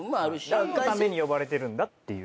何のために呼ばれてるんだっていう。